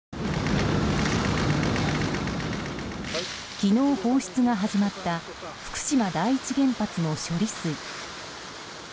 昨日放出が始まった福島第一原発の処理水。